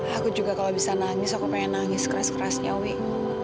aku juga kalau bisa nangis aku pengen nangis keras kerasnya owi